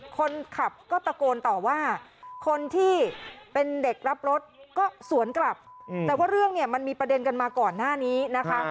คนขับก็ตะโกนต่อว่าคนที่เป็นเด็กรับรถก็สวนกลับแต่ว่าเรื่องเนี่ยมันมีประเด็นกันมาก่อนหน้านี้นะคะ